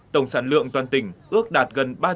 tổng sản lượng toàn tỉnh ước đạt gần